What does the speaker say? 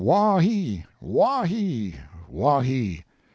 Waw he! waw he! waw he!